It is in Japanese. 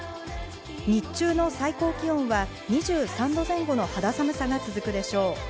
日中の最高気温は２３度前後の肌寒さが続くでしょう。